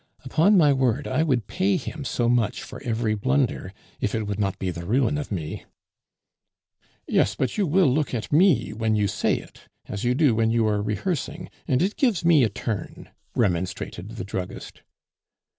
"Upon my word, I would pay him so much for every blunder, if it would not be the ruin of me." "Yes, but you will look at me when you say it, as you do when you are rehearsing, and it gives me a turn," remonstrated the druggist.